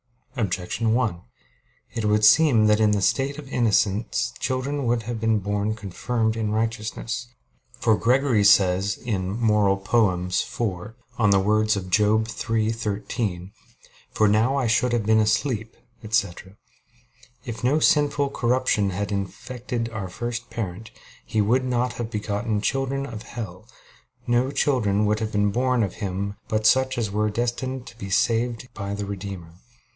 Objection 1: It would seem that in the state of innocence children would have been born confirmed in righteousness. For Gregory says (Moral. iv) on the words of Job 3:13: "For now I should have been asleep, etc.": "If no sinful corruption had infected our first parent, he would not have begotten 'children of hell'; no children would have been born of him but such as were destined to be saved by the Redeemer."